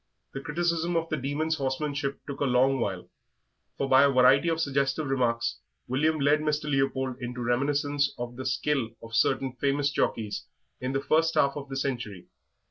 The criticism of the Demon's horsemanship took a long while, for by a variety of suggestive remarks William led Mr. Leopold into reminiscences of the skill of certain famous jockeys in the first half of the century.